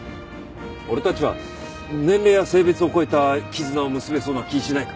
俺たちは年齢や性別を超えた絆を結べそうな気しないか？